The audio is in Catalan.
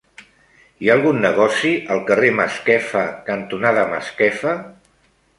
Hi ha algun negoci al carrer Masquefa cantonada Masquefa?